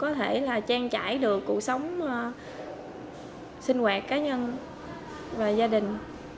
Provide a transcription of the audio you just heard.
có thể là trang trải được cuộc sống sinh hoạt cá nhân và gia đình